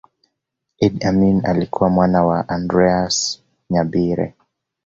Idi Amin alikuwa mwana wa Andreas Nyabire